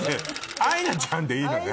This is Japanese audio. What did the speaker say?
アイナちゃんでいいのね？